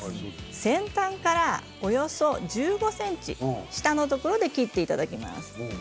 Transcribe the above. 先端からおよそ１５ｃｍくらいのところで切っていただきます。